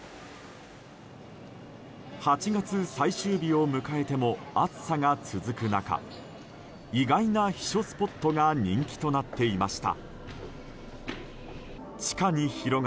８月最終日を迎えても暑さが続く中意外な避暑スポットが人気となっていました。